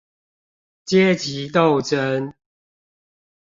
階級鬥爭